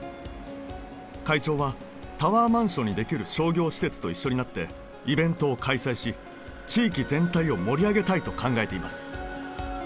会長はタワーマンションにできる商業施設と一緒になってイベントを開催し地域全体を盛り上げたいと考えています